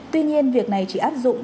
tuy nhiên việc này chỉ áp dụng